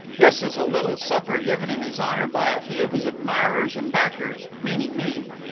This is a little supper given in his honour by a few of his admirers and backers, meaning me.